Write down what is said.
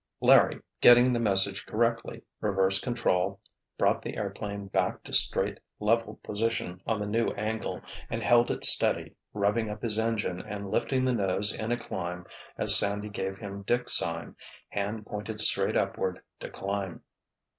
Larry, getting the message correctly, reversed control, brought the airplane back to straight, level position on the new angle, and held it steady, revving up his engine and lifting the nose in a climb as Sandy gave him Dick's sign, hand pointed straight upward, to climb.